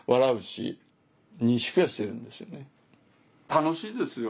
楽しいですよ。